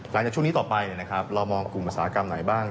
หลังจากช่วงนี้ต่อไปเรามองกลุ่มอุตสาหกรรมไหนบ้าง